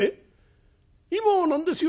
今何ですよ